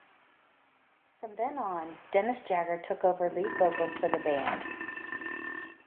From then on Dennis Jagard took over lead vocals for the band.